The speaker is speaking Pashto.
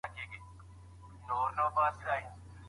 په کوم دلیل یوازي هوښیارتیا د لویو کارونو لپاره بسنه نه کوي؟